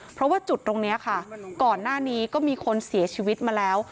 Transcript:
เพราะว่าจุดตรงนี้ค่ะก่อนหน้านี้ก็มีคนเสียชีวิตมาแล้ว